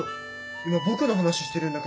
今僕の話してるんだけど。